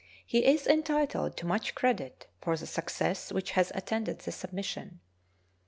He is entitled to much credit for the success which has attended the submission.